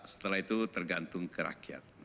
setelah itu tergantung ke rakyat